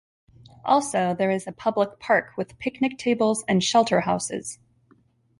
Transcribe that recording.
Also, there is a public park with picnic tables and shelterhouses.